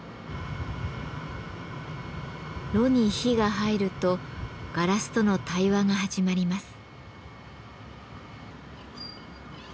炉に火が入るとガラスとの対話が始まります。